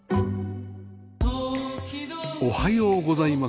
おはようございます。